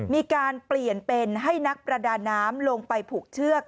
มีการเปลี่ยนเป็นให้นักประดาน้ำลงไปผูกเชือก